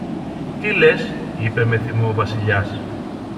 Τι λες; είπε με θυμό ο Βασιλιάς.